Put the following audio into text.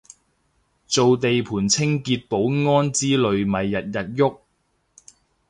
做地盤清潔保安之類咪日日郁